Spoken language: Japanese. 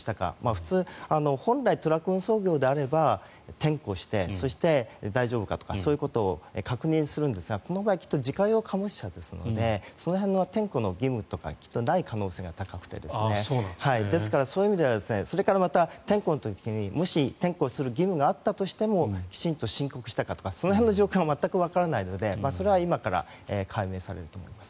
普通、本来トラック運送業であれば点呼して、そして大丈夫かとかそういうことを確認するんですがこの場合きっと自家用貨物車ですのでその辺の点呼の義務とかはない可能性が高くてですから、そういう意味ではそれからまた点呼の時にもし点呼する義務があったとしてもきちんと申告したかとかかしこく食べたいうわ！